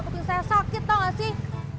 mungkin saya sakit tau gak sih